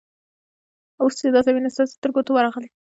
اوس چې دا زمینه سازي تر ګوتو راغلې.